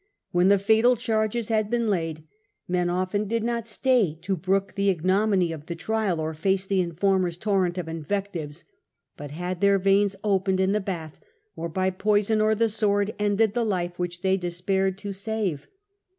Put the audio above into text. When suicide, the fatal charges had been laid, men often did not stay to brook the ignominy of the trial, or face the informer^s torrent of invectives, but had their veins opened in the bath, or by poison or the sword ended the life which they despaired to save.